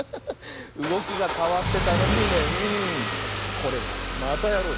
これは「またやろう！」